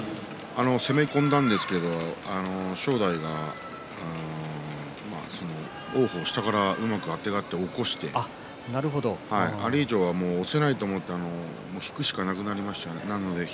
攻め込んだんですが正代が王鵬は下からあてがって起こしてこれ以上は押せないと思って引くしかなくなりました。